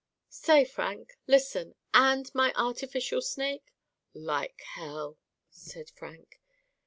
'Say Frank listen, and my artificial snake?' 'Like hell,' said Frank.